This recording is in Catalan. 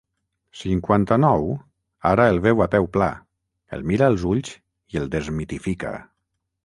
Cinquanta-nou ara el veu a peu pla, el mira als ulls i el desmitifica.